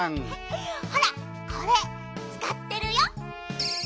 ほらこれつかってるよ。